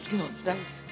◆大好き。